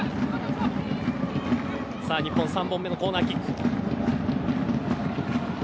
日本３本目のコーナーキック。